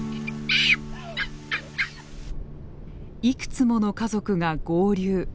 いくつもの家族が合流。